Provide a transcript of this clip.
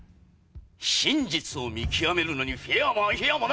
真実を見極めるのにフェアもアンフェアもない！！